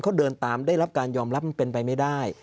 เขาเดินตามได้รับการยอมรับมันเป็นไปไม่ได้